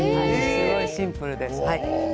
すごくシンプルです。